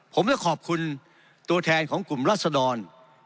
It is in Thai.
ผมได้ขอบคุณตัวแทนของกลุ่มรัศดร